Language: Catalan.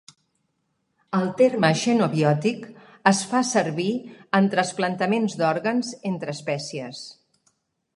El terme xenobiòtic es fan servir en trasplantaments d’òrgans entre espècies.